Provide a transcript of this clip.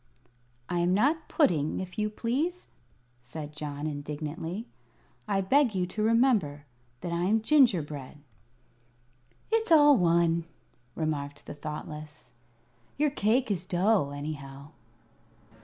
"I am not pudding, if you please," said John, indignantly. "I beg you to remember that I am gingerbread." "It's all one," remarked the Thoughtless, "your cake is dough, anyhow."